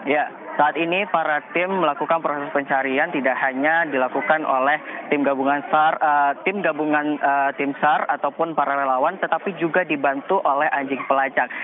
ya saat ini para tim melakukan proses pencarian tidak hanya dilakukan oleh tim gabungan tim sar ataupun para relawan tetapi juga dibantu oleh anjing pelacak